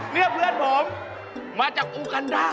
เนี่ยเพื่อนผมมาจากอูกัณฑา